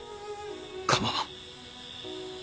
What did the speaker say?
構わん。